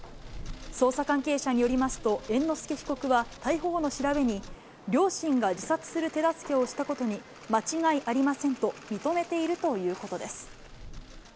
捜査関係者によりますと、猿之助被告は逮捕後の調べに、両親が自殺する手助けをしたことに間違いありませんと、認めているということです。